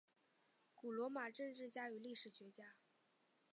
古罗马政治家与历史学家。